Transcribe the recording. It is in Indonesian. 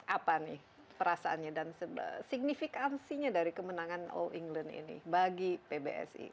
apa nih perasaannya dan signifikansinya dari kemenangan all england ini bagi pbsi